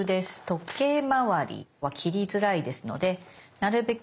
時計回りは切りづらいですのでなるべく